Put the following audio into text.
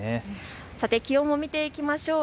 さて、気温を見ていきましょう。